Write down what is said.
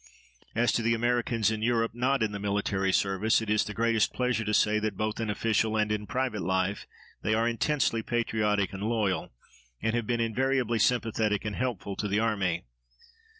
As to the Americans in Europe not in the military service, it is the greatest pleasure to say that, both in official and in private life, they are intensely patriotic and loyal, and have been invariably sympathetic and helpful to the army.